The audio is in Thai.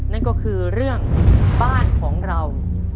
นั่นก็คือเรื่องบ้านของเรา